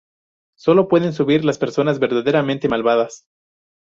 Sólo pueden subir las personas verdaderamente malvadas.